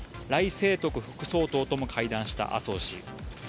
清徳副総統とも会談した麻生氏。